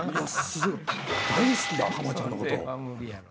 大好きだ浜ちゃんのこと。